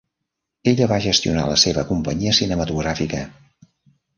Ella va gestionar la seva companyia cinematogràfica.